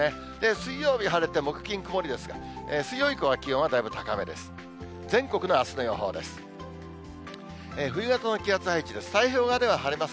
水曜日晴れて、木、金、曇りですが、水曜以降は気温はだいぶ高めです。